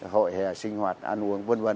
hội hệ sinh hoạt ăn uống vân vân